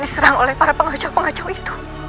diserang oleh para pengacau pengocau itu